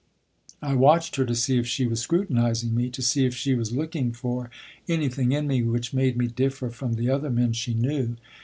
I watched her to see if she was scrutinizing me, to see if she was looking for anything in me which made me differ from the other men she knew.